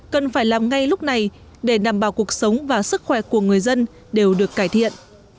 cần phải làm ngay lúc này để đảm bảo cuộc sống và sức khỏe của người dân đều được cải thiện